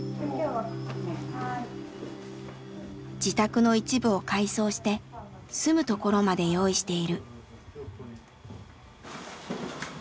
自宅の一部を改装して住むところまで用意している。